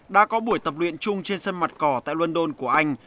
đã có buổi tập luyện chung trên sân mặt cỏ tại london của anh